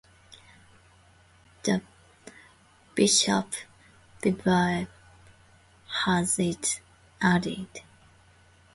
The Bishops' Bible has it as "Abdi".